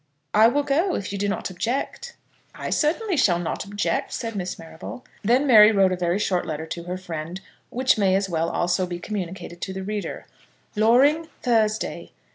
"I will go, if you do not object." "I certainly shall not object," said Miss Marrable. Then Mary wrote a very short letter to her friend, which may as well, also, be communicated to the reader: Loring, Thursday.